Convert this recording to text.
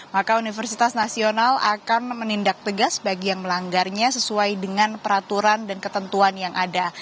maka universitas nasional akan menindak tegas bagi yang melanggarnya sesuai dengan peraturan dan ketentuan yang ada